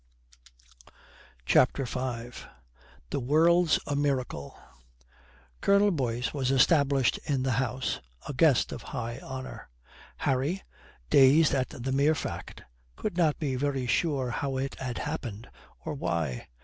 CHAPTER V THE WORLD'S A MIRACLE Colonel Boyce was established in the house, a guest of high honour. Harry, dazed at the mere fact, could not be very sure how it had happened or why.